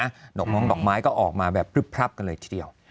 ดอกมงดอกไม้ก็ออกมาแบบพลึบพลับกันเลยทีเดียว